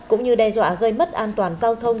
cũng như đe dọa gây mất an toàn giao thông